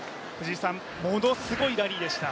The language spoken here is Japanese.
ものすごいラリーでした。